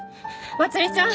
まつりちゃん！